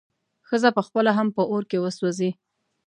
ښځه به پخپله هم په اور کې وسوځي.